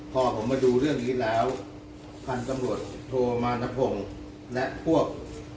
พอผมมาดูเรื่องนี้แล้วพันธุ์ตำรวจโทมานพงศ์และพวก